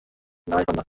না, এখন না।